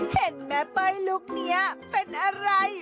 เห็นแม่เป้ยลุคนี้เป็นอะไร